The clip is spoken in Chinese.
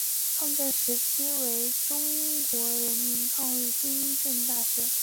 抗战时期改为中国人民抗日军政大学。